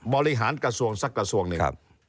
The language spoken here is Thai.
บริหารกระทรวงสักกระทรวงหนึ่ง